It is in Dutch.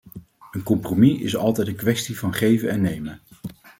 Een compromis is altijd een kwestie van geven en nemen.